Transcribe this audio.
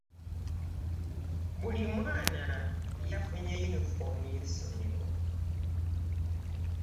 Buli mwana yafunye yunifomu yesomero